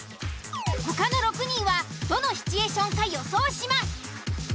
他の６人はどのシチュエーションか予想します。